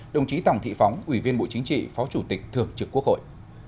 đồng chí tòng thị phóng ủy viên bộ chính trị phó chủ tịch thường trực quốc hội